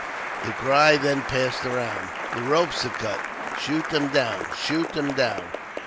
The cry then passed around, " The ropes are cut ! Shoot them down ! shoot them down